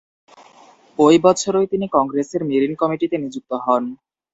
ঐ বছরই তিনি কংগ্রেসের মেরিন কমিটিতে নিযুক্ত হন।